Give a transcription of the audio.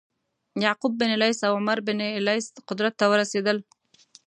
یعقوب بن لیث او عمرو لیث قدرت ته ورسېدل.